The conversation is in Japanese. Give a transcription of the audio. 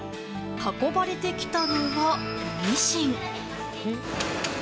運ばれてきたのはミシン。